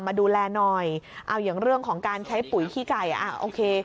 มาดูแลหน่อยเอาอย่างเรื่องของการใช้ปุ๋ยขี้ไก่อ่ะโอเค